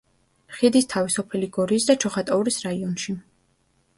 ხიდისთავი სოფელი გორის და ჩოხატაურის რაიონში.